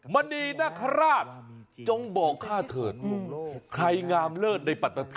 มณีนคราชจงบอกข้าเถิดใครงามเลิศในปัตตาที